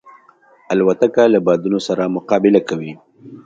الوتکه له بادونو سره مقابله کوي.